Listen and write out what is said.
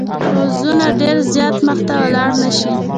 پوځونه ډېر زیات مخته ولاړ نه شي.